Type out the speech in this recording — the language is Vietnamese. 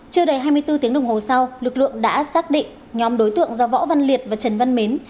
chưa đầy hai mươi bốn tiếng đồng hồ sau lực lượng đã xác định nhóm đối tượng do võ văn liệt và trần văn mến